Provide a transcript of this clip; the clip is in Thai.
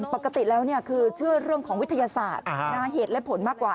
ปกติแล้วคือเชื่อเรื่องของวิทยาศาสตร์เหตุและผลมากกว่า